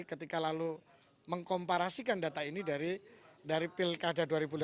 ketika lalu mengkomparasikan data ini dari pilkada dua ribu delapan belas